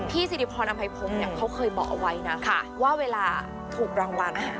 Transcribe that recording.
พี่ศิริพรนำไพพรมเขาเคยบอกเอาไว้ว่าเวลาถูกรางวัล